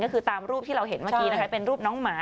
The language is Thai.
ก็คือตามรูปที่เราเห็นเมื่อกี้นะคะเป็นรูปน้องหมา